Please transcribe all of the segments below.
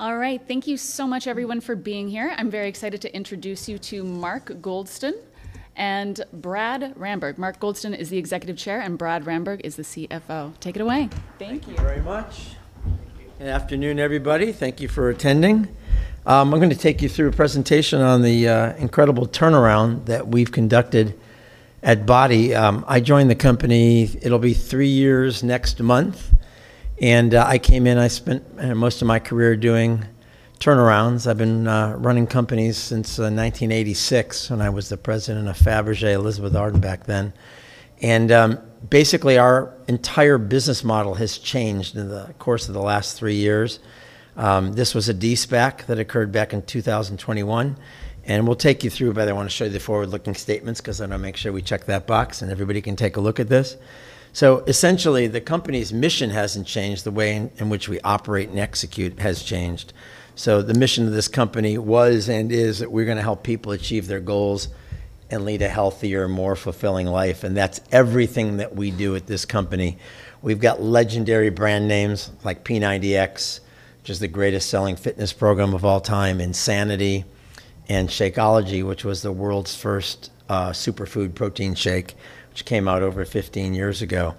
All right. Thank you so much everyone for being here. I'm very excited to introduce you to Mark Goldston and Brad Ramberg. Mark Goldston is the Executive Chair, and Brad Ramberg is the CFO. Take it away. Thank you. Thank you very much. Thank you. Good afternoon, everybody. Thank you for attending. We're gonna take you through a presentation on the incredible turnaround that we've conducted at BODi. I joined the company, it'll be three years next month, and I came in, I spent most of my career doing turnarounds. I've been running companies since 1986 when I was the President of Fabergé–Elizabeth and Arden back then. Basically our entire business model has changed in the course of the last three years. This was a de-SPAC that occurred back in 2021, and we'll take you through, but I wanna show you the forward-looking statements 'cause I wanna make sure we check that box, and everybody can take a look at this. Essentially, the company's mission hasn't changed. The way in which we operate and execute has changed. The mission of this company was and is that we're gonna help people achieve their goals and lead a healthier, more fulfilling life, and that's everything that we do at this company. We've got legendary brand names like P90X, which is the greatest selling fitness program of all time, Insanity, and Shakeology, which was the world's first superfood protein shake, which came out over 15 years ago.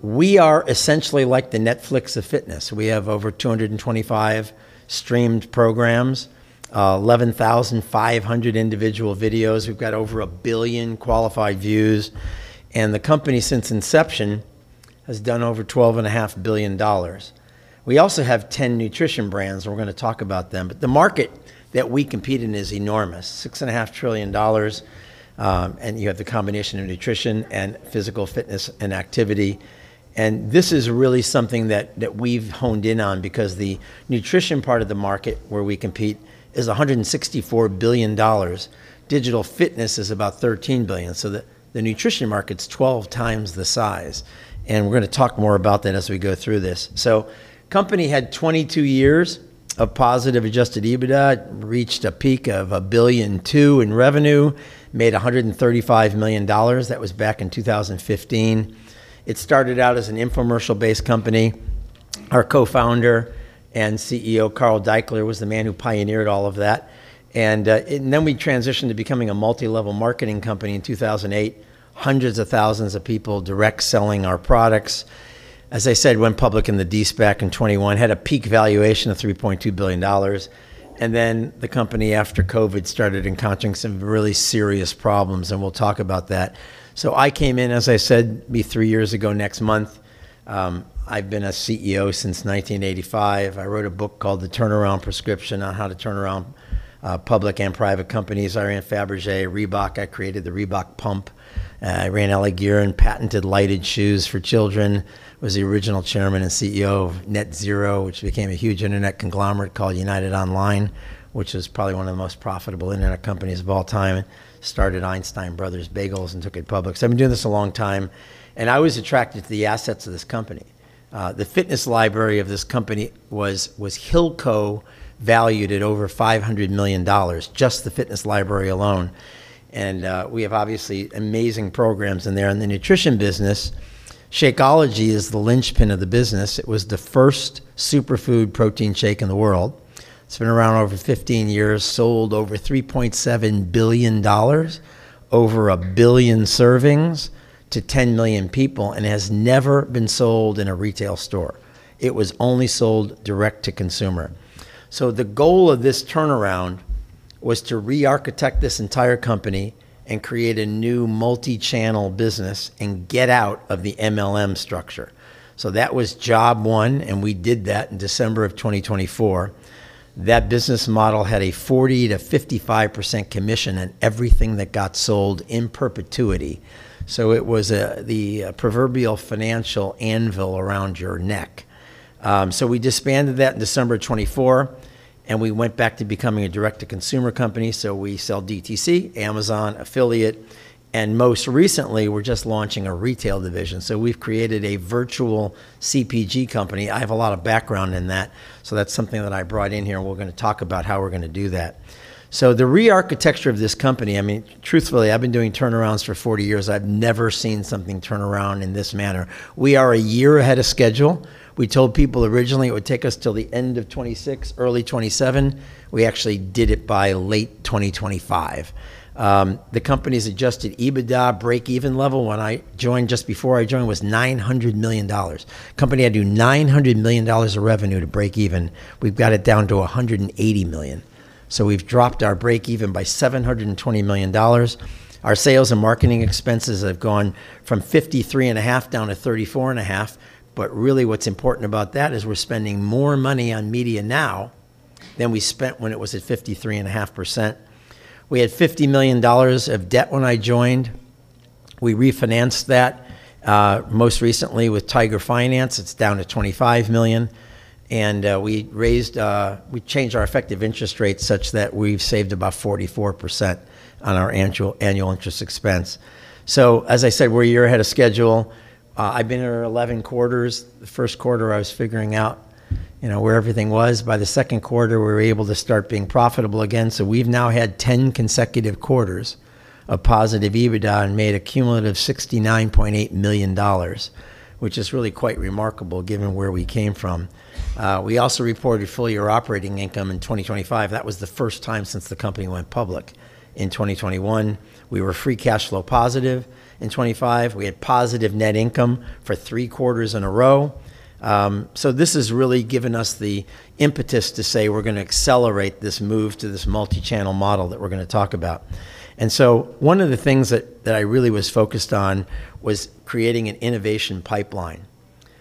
We are essentially like the Netflix of fitness. We have over 225 streamed programs, 11,500 individual videos. We've got over a billion qualified views, and the company since inception has done over $12.5 billion. We also have 10 nutrition brands, and we're gonna talk about them. The market that we compete in is enormous, $6.5 trillion, and you have the combination of nutrition and physical fitness and activity. This is really something that we've honed in on because the nutrition part of the market where we compete is $164 billion. Digital fitness is about $13 billion, the nutrition market's 12 times the size, we're gonna talk more about that as we go through this. Company had 22 years of positive adjusted EBITDA, reached a peak of $1.2 billion in revenue, made $135 million. That was back in 2015. It started out as an infomercial-based company. Our Co-Founder and CEO, Carl Daikeler, was the man who pioneered all of that. Then we transitioned to becoming a multi-level marketing company in 2008, hundreds of thousands of people direct selling our products. As I said, went public in the de-SPAC in 2021, had a peak valuation of $3.2 billion. Then the company after COVID started encountering some really serious problems, and we'll talk about that. I came in, as I said, it'll be three years ago next month. I've been a CEO since 1985. I wrote a book called "The Turnaround Prescription" on how to turn around public and private companies. I ran Fabergé, Reebok. I created the Reebok Pump. I ran L.A. Gear and patented lighted shoes for children. Was the original chairman and CEO of NetZero, which became a huge internet conglomerate called United Online, which was probably one of the most profitable internet companies of all time. Started Einstein Bros. Bagels and took it public. I've been doing this a long time, and I was attracted to the assets of this company. The fitness library of this company was Hilco valued at over $500 million, just the fitness library alone, and we have obviously amazing programs in there. In the nutrition business, Shakeology is the linchpin of the business. It was the first superfood protein shake in the world. It's been around over 15 years, sold over $3.7 billion, over a billion servings to 10 million people, and has never been sold in a retail store. It was only sold direct to consumer. The goal of this turnaround was to re-architect this entire company and create a new multi-channel business and get out of the MLM structure. That was job one, and we did that in December of 2024. That business model had a 40%-55% commission on everything that got sold in perpetuity, so it was the proverbial financial anvil around your neck. We disbanded that in December of 2024, and we went back to becoming a direct-to-consumer company, we sell DTC, Amazon affiliate, and most recently, we're just launching a retail division. We've created a virtual CPG company. I have a lot of background in that, so that's something that I brought in here, and we're gonna talk about how we're gonna do that. The re-architecture of this company, I mean, truthfully, I've been doing turnarounds for 40 years. I've never seen something turn around in this manner. We are one year ahead of schedule. We told people originally it would take us till the end of 2026, early 2027. We actually did it by late 2025. The company's adjusted EBITDA break-even level when I joined, just before I joined, was $900 million. Company had to do $900 million of revenue to break even. We've got it down to $180 million. We've dropped our break even by $720 million. Our sales and marketing expenses have gone from 53.5% down to 34.5%. Really what's important about that is we're spending more money on media now than we spent when it was at 53.5%. We had $50 million of debt when I joined. We refinanced that most recently with Tiger Finance. It's down to $25 million. We raised, we changed our effective interest rate such that we've saved about 44% on our annual interest expense. As I said, we're a year ahead of schedule. I've been here 11 quarters. The first quarter, I was figuring out, you know, where everything was. By the second quarter, we were able to start being profitable again. We've now had 10 consecutive quarters of positive EBITDA and made a cumulative $69.8 million, which is really quite remarkable given where we came from. We also reported full-year operating income in 2025. That was the first time since the company went public. In 2021, we were free cash flow positive. In 2025, we had positive net income for three quarters in a row. This has really given us the impetus to say we're gonna accelerate this move to this multi-channel model that we're gonna talk about. One of the things that I really was focused on was creating an innovation pipeline,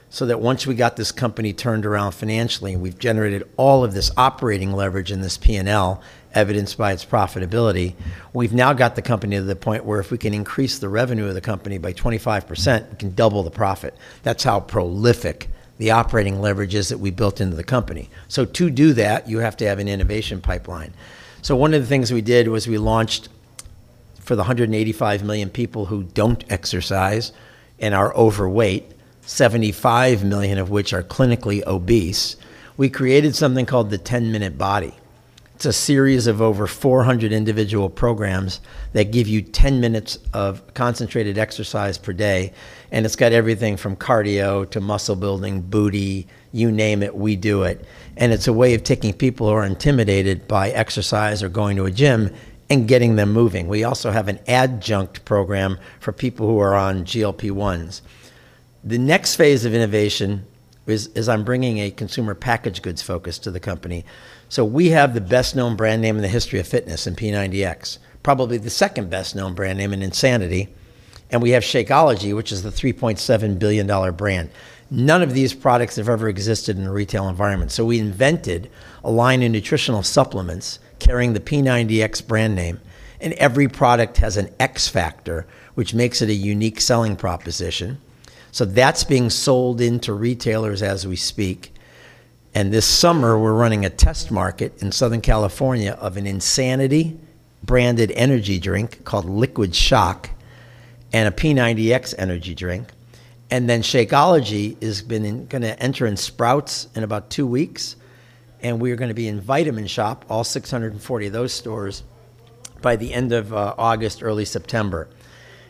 so that once we got this company turned around financially and we've generated all of this operating leverage in this P&L, evidenced by its profitability, we've now got the company to the point where if we can increase the revenue of the company by 25%, we can double the profit. That's how prolific the operating leverage is that we built into the company. To do that, you have to have an innovation pipeline. One of the things we did was we launched for the 185 million people who don't exercise and are overweight, 75 million of which are clinically obese, we created something called the Ten Minute Body. It's a series of over 400 individual programs that give you 10 minutes of concentrated exercise per day, it's got everything from cardio to muscle building, booty. You name it, we do it. It's a way of taking people who are intimidated by exercise or going to a gym and getting them moving. We also have an adjunct program for people who are on GLP-1s. The next phase of innovation is I'm bringing a consumer packaged goods focus to the company. We have the best-known brand name in the history of fitness in P90X, probably the second best-known brand name in Insanity, and we have Shakeology, which is the $3.7 billion brand. None of these products have ever existed in a retail environment, so we invented a line in nutritional supplements carrying the P90X brand name. Every product has an X factor which makes it a unique selling proposition. That's being sold into retailers as we speak. This summer, we're running a test market in Southern California of an Insanity-branded energy drink called Liquid Shock and a P90X energy drink. Shakeology is gonna enter in Sprouts in about two weeks, and we are gonna be in Vitamin Shoppe, all 640 of those stores, by the end of August, early September.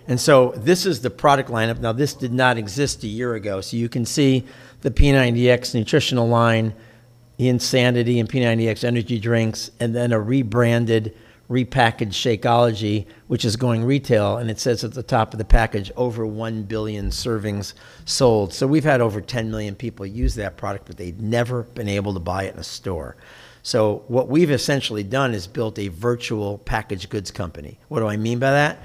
This is the product lineup. Now, this did not exist a year ago. You can see the P90X nutritional line, Insanity and P90X energy drinks, and then a rebranded, repackaged Shakeology, which is going retail, and it says at the top of the package, "Over 1 billion servings sold." We've had over 10 million people use that product, but they'd never been able to buy it in a store. What we've essentially done is built a virtual packaged goods company. What do I mean by that?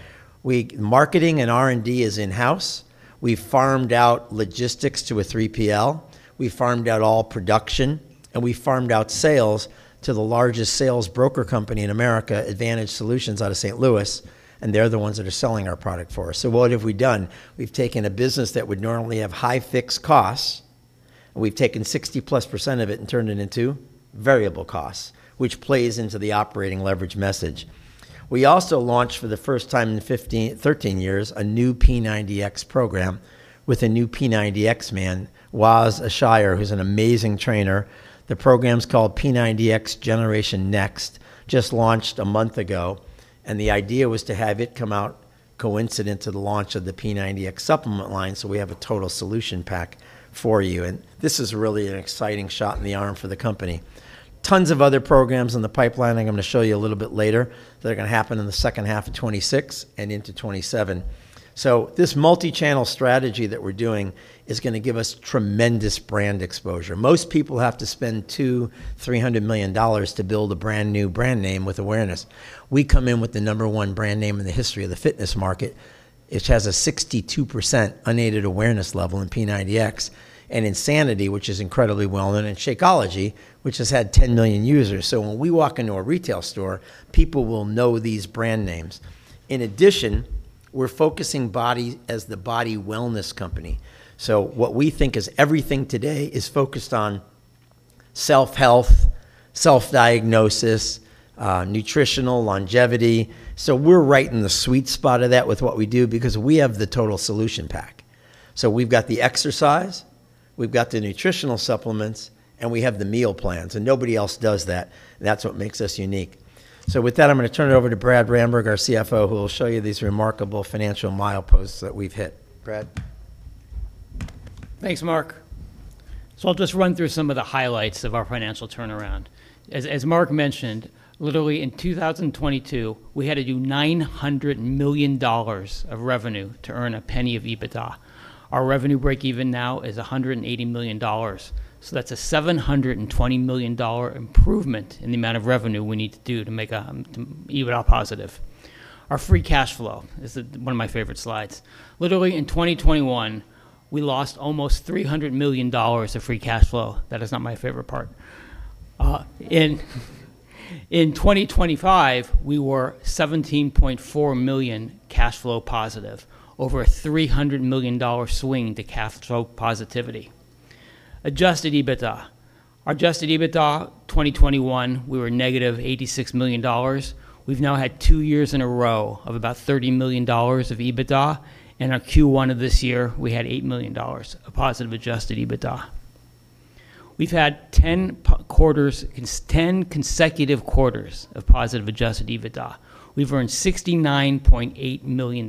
Marketing and R&D is in-house. We farmed out logistics to a 3PL. We farmed out all production, and we farmed out sales to the largest sales broker company in America, Advantage Solutions, out of St. Louis, and they're the ones that are selling our product for us. What have we done? We've taken a business that would normally have high fixed costs, and we've taken 60%+ of it and turned it into variable costs, which plays into the operating leverage message. We also launched for the first time in 13 years a new P90X program with a new P90X man, Waz Ashayer, who's an amazing trainer. The program's called P90X Generation Next, just launched a month ago, the idea was to have it come out coincident to the launch of the P90X supplement line so we have a Total-Solution Pack for you. This is really an exciting shot in the arm for the company. Tons of other programs in the pipeline I'm gonna show you a little bit later that are gonna happen in the second half of 2026 and into 2027. This multi-channel strategy that we're doing is gonna give us tremendous brand exposure. Most people have to spend $200 million-$300 million to build a brand-new brand name with awareness. We come in with the number one brand name in the history of the fitness market, which has a 62% unaided awareness level in P90X, and Insanity, which is incredibly well-known, and Shakeology, which has had 10 million users. When we walk into a retail store, people will know these brand names. In addition, we're focusing BODi as the BODi wellness company. What we think is everything today is focused on self-health, self-diagnosis, nutritional longevity. We're right in the sweet spot of that with what we do because we have the Total-Solution Pack. We've got the exercise, we've got the nutritional supplements, and we have the meal plans, and nobody else does that. That's what makes us unique. With that, I'm going to turn it over to Brad Ramberg, our CFO, who will show you these remarkable financial mileposts that we've hit. Brad. Thanks, Mark. I'll just run through some of the highlights of our financial turnaround. As Mark mentioned, literally in 2022, we had to do $900 million of revenue to earn $0.01 of EBITDA. Our revenue break even now is $180 million, so that's a $720 million improvement in the amount of revenue we need to do to make to EBITDA positive. Our free cash flow is one of my favorite slides. Literally in 2021, we lost almost $300 million of free cash flow. That is not my favorite part. In 2025, we were $17.4 million cash flow positive, over a $300 million swing to cash flow positivity. Adjusted EBITDA. Our adjusted EBITDA, 2021, we were negative $86 million. We've now had two years in a row of about $30 million of EBITDA. Our Q1 of this year, we had $8 million of positive adjusted EBITDA. We've had 10 consecutive quarters of positive adjusted EBITDA. We've earned $69.8 million.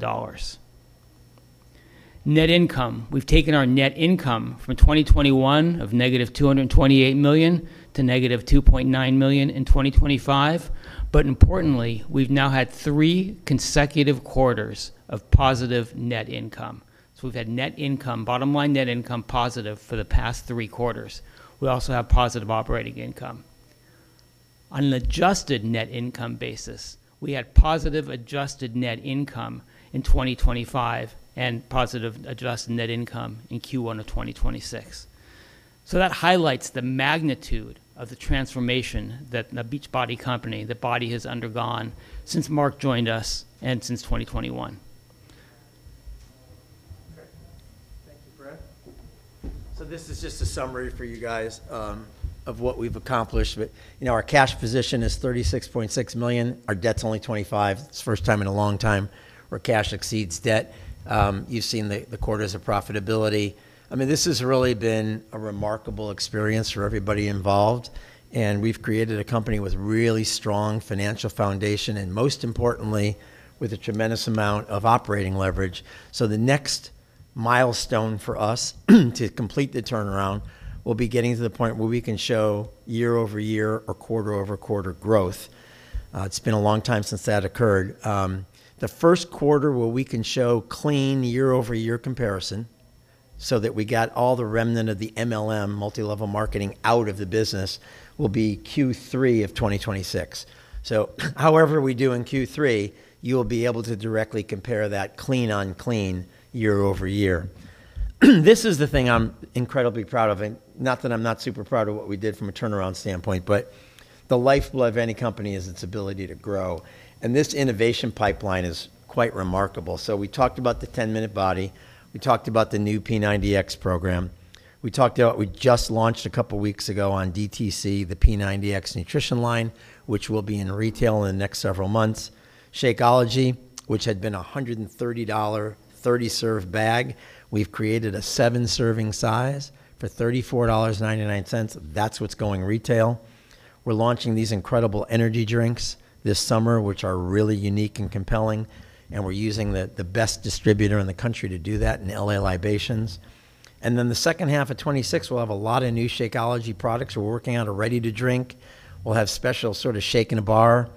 Net income. We've taken our net income from 2021 of -$228 million to -$2.9 million in 2025. Importantly, we've now had three consecutive quarters of positive net income. We've had net income, bottom line net income positive for the past three quarters. We also have positive operating income. On an adjusted net income basis, we had positive adjusted net income in 2025 and positive adjusted net income in Q1 of 2026. That highlights the magnitude of the transformation that The Beachbody Company, that BODi has undergone since Mark joined us and since 2021. Okay. Thank you, Brad. This is just a summary for you guys of what we've accomplished. You know, our cash position is $36.6 million. Our debt's only $25. It's the first time in a long time where cash exceeds debt. You've seen the quarters of profitability. I mean, this has really been a remarkable experience for everybody involved, and we've created a company with really strong financial foundation, and most importantly, with a tremendous amount of operating leverage. The next milestone for us to complete the turnaround will be getting to the point where we can show year-over-year or quarter-over-quarter growth. It's been a long time since that occurred. The first quarter where we can show clean year-over-year comparison so that we got all the remnant of the MLM, multi-level marketing, out of the business will be Q3 of 2026. However we do in Q3, you'll be able to directly compare that clean on clean year-over-year. This is the thing I'm incredibly proud of, and not that I'm not super proud of what we did from a turnaround standpoint, but the lifeblood of any company is its ability to grow, and this innovation pipeline is quite remarkable. We talked about the Ten Minute Body. We talked about the new P90X program. We talked about we just launched a couple of weeks ago on DTC, the P90X nutrition line, which will be in retail in the next several months. Shakeology, which had been a $130 30-serve bag, we've created a seven serving size for $34.99. That's what's going retail. We're launching these incredible energy drinks this summer, which are really unique and compelling, we're using the best distributor in the country to do that in L.A. Libations. The second half of 2026, we'll have a lot of new Shakeology products we're working on are ready to drink. We'll have special sort of shake in a bar.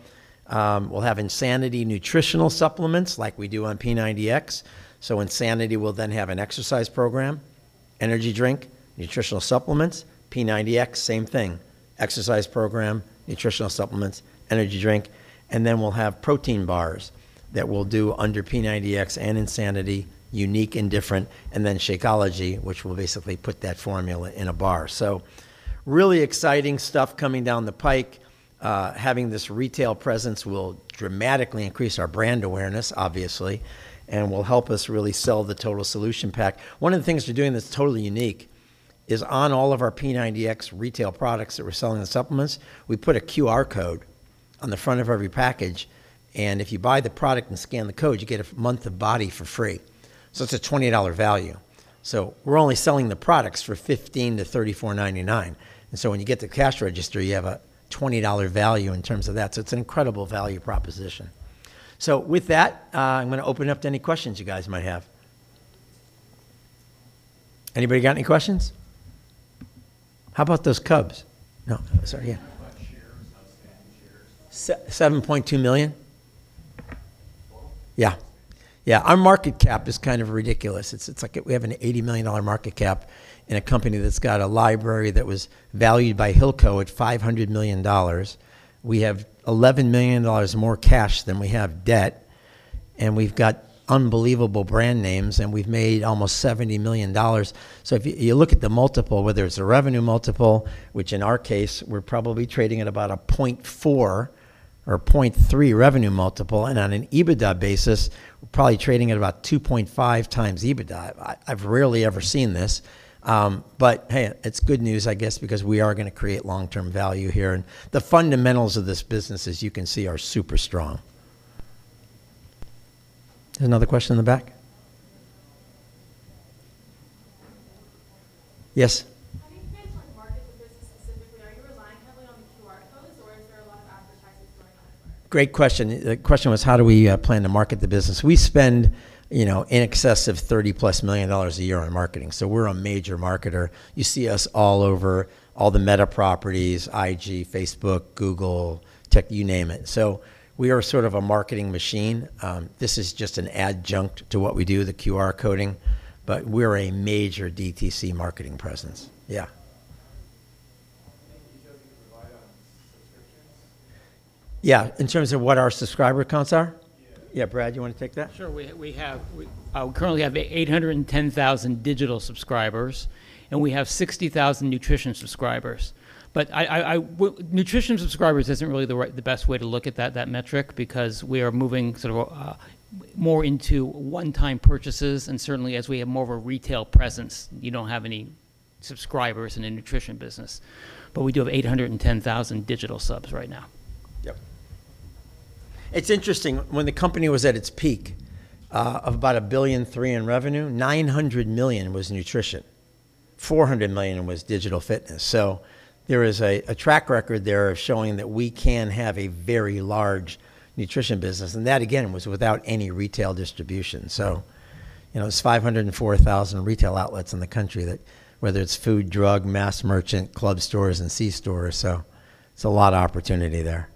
We'll have Insanity nutritional supplements like we do on P90X. Insanity will then have an exercise program, energy drink, nutritional supplements. P90X, same thing, exercise program, nutritional supplements, energy drink. We'll have protein bars that we'll do under P90X and Insanity, unique and different. Shakeology, which will basically put that formula in a bar. Really exciting stuff coming down the pike. Having this retail presence will dramatically increase our brand awareness, obviously, and will help us really sell the Total-Solution Pack. One of the things we're doing that's totally unique is on all of our P90X retail products that we're selling the supplements, we put a QR code on the front of every package, and if you buy the product and scan the code, you get a month of BODi for free. It's a $20 value. We're only selling the products for $15-$34.99. When you get to the cash register, you have a $20 value in terms of that. It's an incredible value proposition. With that, I'm gonna open it up to any questions you guys might have. Anybody got any questions? How about those Cubs? No. Sorry, yeah. How about shares, outstanding shares? $7.2 million. Total? Our market cap is kind of ridiculous. Like we have an $80 million market cap in a company that's got a library that was valued by Hilco at $500 million. We have $11 million more cash than we have debt, we've got unbelievable brand names, we've made almost $70 million. If you look at the multiple, whether it's a revenue multiple, which in our case, we're probably trading at about a 0.4 or 0.3 revenue multiple, on an EBITDA basis, we're probably trading at about 2.5x EBITDA. I've rarely ever seen this. Hey, it's good news, I guess, because we are gonna create long-term value here. The fundamentals of this business, as you can see, are super strong. Is there another question in the back? Yes. How do you plan to market the business specifically? Are you relying heavily on the QR codes, or is there a lot of advertising going on for it? Great question. The question was, how do we plan to market the business? We spend, you know, in excess of $30+ million a year on marketing. We're a major marketer. You see us all over all the Meta properties, IG, Facebook, Google, TikTok, you name it. We are sort of a marketing machine. This is just an adjunct to what we do, the QR coding, but we're a major DTC marketing presence. Yeah. Can you give us a divide on subscriptions? Yeah. In terms of what our subscriber counts are? Yeah. Yeah. Brad, you wanna take that? Sure. We have 810,000 digital subscribers, and we have 60,000 nutrition subscribers. I Nutrition subscribers isn't really the best way to look at that metric, because we are moving sort of more into one-time purchases, and certainly as we have more of a retail presence, you don't have any subscribers in a nutrition business. We do have 810,000 digital subs right now. Yep. It's interesting. When the company was at its peak, of about $1.3 billion in revenue, $900 million was nutrition. $400 million was digital fitness. There is a track record there of showing that we can have a very large nutrition business, and that, again, was without any retail distribution. You know, it's 504,000 retail outlets in the country that whether it's food, drug, mass merchant, club stores, and c-stores. It's a lot of opportunity there.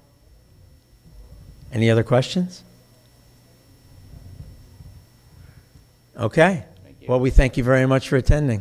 Any other questions? Okay. Thank you. Well, we thank you very much for attending.